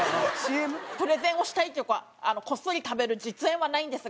プレゼンをしたいというかこっそり食べる実演はないんですが。